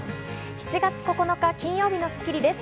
７月９日、金曜日の『スッキリ』です。